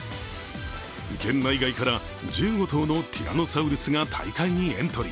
県内外から１５頭のティラノサウルスが大会にエントリー。